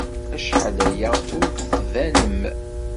Acḥal aya ur d-tbanem.